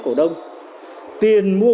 cổ đông tiền mua